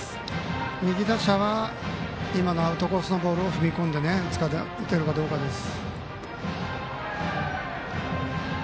右打者はアウトコースのボールを踏み込んで打てるかどうかです。